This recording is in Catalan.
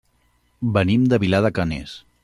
Venim de Vilar de Canes.